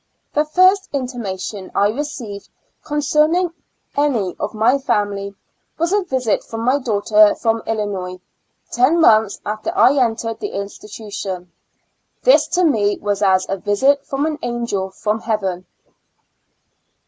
The first intimation I received concerning any of my family, was a visit from my daughter from Illinois, ten months after I entered the institution ; this to me was as a visit from an angel from Heaven.